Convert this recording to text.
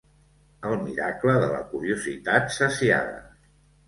El miracle de la curiositat saciada.